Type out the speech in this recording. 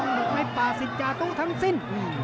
โน้ทไตะไม่ปาศิกชาตุทั้งสิ้น